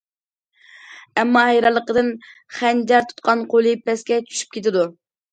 ئەمما، ھەيرانلىقىدىن خەنجەر تۇتقان قولى پەسكە چۈشۈپ كېتىدۇ.